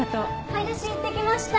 買い出し行ってきました。